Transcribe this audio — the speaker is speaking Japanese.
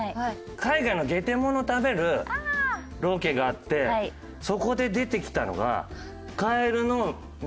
海外のゲテモノ食べるロケがあってそこで出てきたのが。